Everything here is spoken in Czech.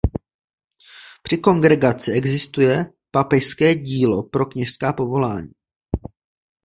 Při kongregaci existuje "Papežské dílo pro kněžská povolání".